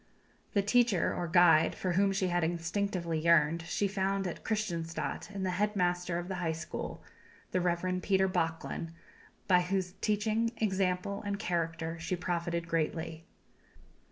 The teacher, or guide, for whom she had instinctively yearned, she found at Christianstadt in the head master of the High School, the Rev. Peter Böklin, by whose teaching, example, and character she profited greatly.